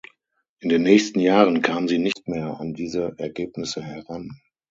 In den nächsten Jahren kam sie nicht mehr an diese Ergebnisse heran.